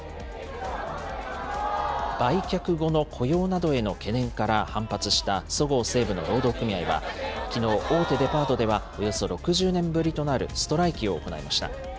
売却後の雇用などへの懸念から反発したそごう・西武の労働組合は、きのう、大手デパートではおよそ６０年ぶりとなるストライキを行いました。